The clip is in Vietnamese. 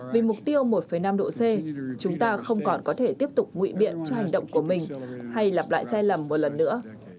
vì mục tiêu một năm độ c chúng ta không còn có thể tiếp tục ngụy biện cho hành động của mình hay lặp lại sai lầm một lần nữa